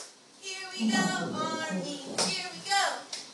Domaçodey aşǩva.